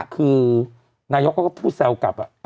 คือนายกเขาก็พูดแซวกลับ